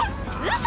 嘘！？